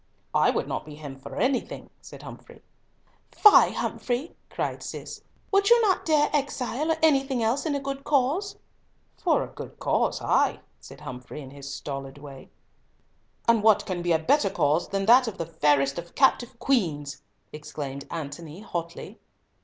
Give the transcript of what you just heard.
"I would not be him for anything," said Humfrey. "Fie, Humfrey," cried Cis; "would not you dare exile or anything else in a good cause?" "For a good cause, ay," said Humfrey in his stolid way. "And what can be a better cause than that of the fairest of captive queens?" exclaimed Antony, hotly.